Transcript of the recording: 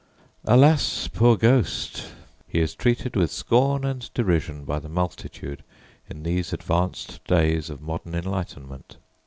"Alas! poor ghost!" he is treated with scorn and derision by the multitude in these advanced days of modern enlightenment.